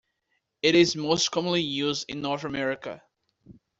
It is most commonly used in North America.